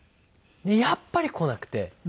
やっぱり来なくて。